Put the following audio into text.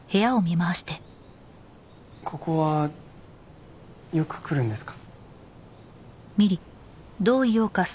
ここはよく来るんですか？